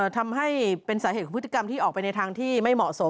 ทำให้เป็นสาเหตุของพฤติกรรมที่ออกไปในทางที่ไม่เหมาะสม